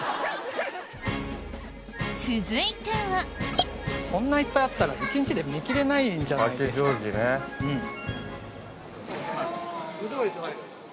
続いてはこんないっぱいあったら一日で見きれないんじゃないですか。